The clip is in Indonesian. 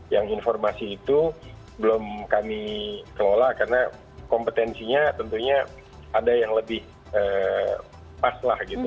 yang informasi itu belum kami kelola karena kompetensinya tentunya ada yang lebih pas lah gitu